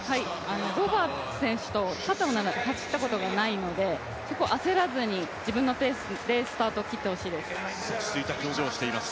ロバーツ選手と肩を並べて走ったことがないので焦らずに自分のペースでスタートを切ってほしいと思います。